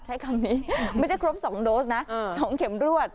ใช้คำนี้ไม่ใช่ครบ๒โดสนะ๒เข็มรวด